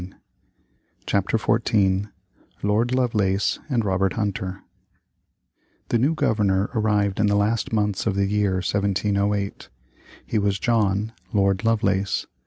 ] CHAPTER XIV LORD LOVELACE and ROBERT HUNTER The new Governor arrived in the last months of the year 1708. He was John, Lord Lovelace.